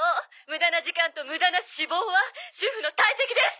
無駄な時間と無駄な脂肪は主婦の大敵です！」